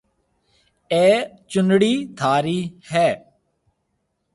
اَي چونڙِي ٿارِي هيَ۔